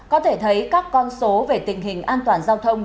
có thể thấy các con số về tình hình an toàn giao thông